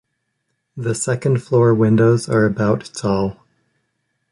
The second floor windows are about tall.